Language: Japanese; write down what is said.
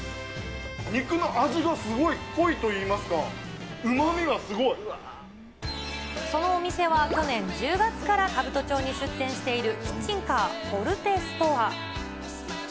肉の味がすごい濃いといいまそのお店は、去年１０月から兜町に出店しているキッチンカー、ポルテストア。